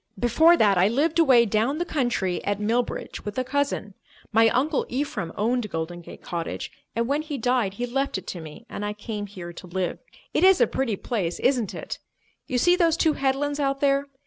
"Before that, I lived away down the country at Millbridge with a cousin. My Uncle Ephraim owned Golden Gate Cottage, and when he died he left it to me and I came here to live. It is a pretty place, isn't it? You see those two headlands out there?